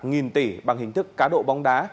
nghìn tỷ bằng hình thức cá độ bóng đá